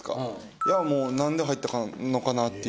いや何で入ったのかなっていう。